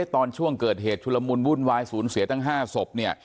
ตอนช่วงเกิดเหตุชุลมุลวุ่นวายสูญเสียทั้ง๕ศพ